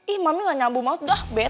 ih mami gak nyambu mau dah bete